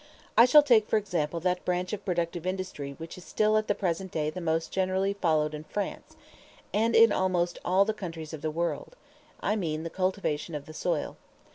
I shall take for example that branch of productive industry which is still at the present day the most generally followed in France, and in almost all the countries of the world I mean the cultivation of the soil.